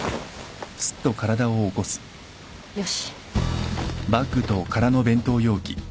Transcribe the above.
よし。